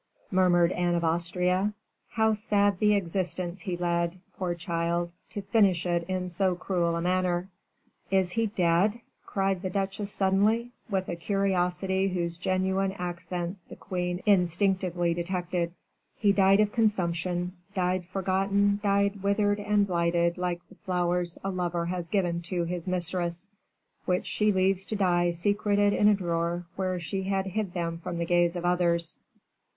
murmured Anne of Austria; "how sad the existence he led, poor child, to finish it in so cruel a manner." "Is he dead?" cried the duchesse suddenly, with a curiosity whose genuine accents the queen instinctively detected. "He died of consumption, died forgotten, died withered and blighted like the flowers a lover has given to his mistress, which she leaves to die secreted in a drawer where she had hid them from the gaze of others."